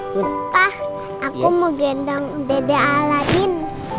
pak aku mau gendang dede aladin